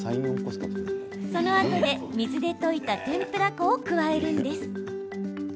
そのあとで、水で溶いた天ぷら粉を加えるんです。